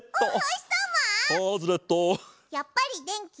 やっぱりでんき？